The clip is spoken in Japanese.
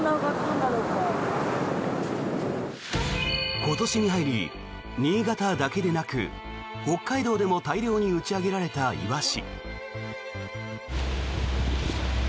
今年に入り新潟だけでなく北海道でも大量に打ち上げられたイワシ。